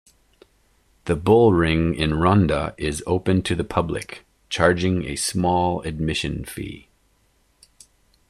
The bullring in Ronda is open to the public, charging a small admission fee.